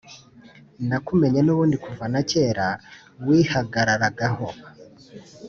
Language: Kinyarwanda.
nakumenye nubundi kuva nakera wihagararagaho